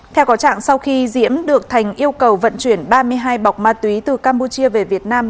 theo có trạng sau khi diễm được thành yêu cầu vận chuyển ba mươi hai bọc ma túy từ campuchia về việt nam